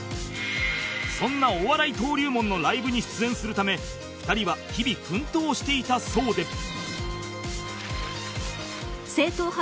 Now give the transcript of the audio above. そんなお笑い登竜門のライブに出演するため２人は日々奮闘していたそうで